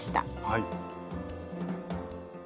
はい。